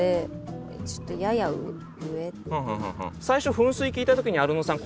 最初「噴水」聞いた時にアルノさん